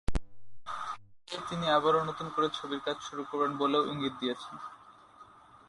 এসেই তিনি আবারও নতুন করে ছবির কাজ শুরু করবেন বলেও ইঙ্গিত দিয়েছেন।